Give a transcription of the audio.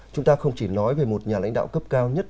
chúng ta không chỉ nói về một nhà lãnh đạo cấp cao nhất